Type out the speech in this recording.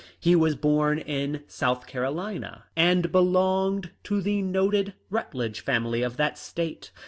He was born in South Carolina and belonged to the noted Rut ledge family of that State.